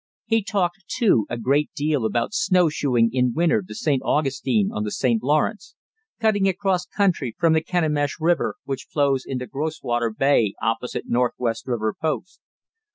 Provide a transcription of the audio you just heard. He talked, too, a great deal about snowshoeing in winter to St. Augustine on the St. Lawrence, cutting across country from the Kenemish River, which flows into Groswater Bay opposite Northwest River Post.